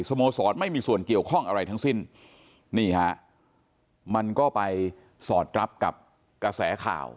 โมสรไม่มีส่วนเกี่ยวข้องอะไรทั้งสิ้นนี่ฮะมันก็ไปสอดรับกับกระแสข่าว